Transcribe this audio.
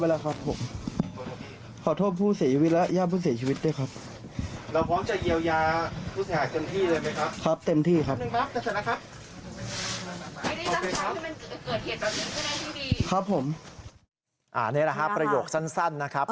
นี่แหละครับประโยคสั้นนะครับ